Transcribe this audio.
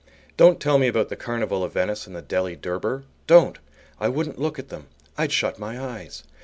Don't tell me about the Carnival of Venice and the Delhi Durbar. Don't! I wouldn't look at them. I'd shut my eyes!